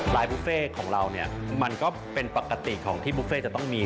บุฟเฟ่ของเราเนี่ยมันก็เป็นปกติของที่บุฟเฟ่จะต้องมี